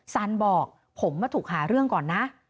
สันบอกผมมาถูกหาเรื่องก่อนนะ